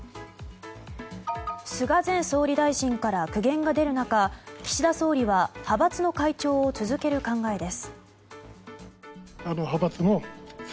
菅前総理大臣から苦言が出る中岸田総理は派閥の会長を続ける考えです。